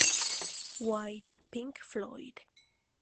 Why Pink Floyd...?